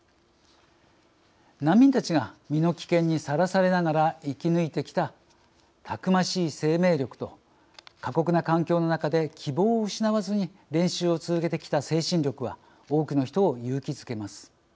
難民たちが身の危険にさらされながら生き抜いてきたたくましい生命力と過酷な環境の中で希望を失わずに練習を続けてきた精神力は多くの人を勇気づけます。